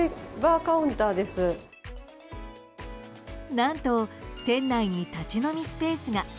何と、店内に立ち飲みスペースが。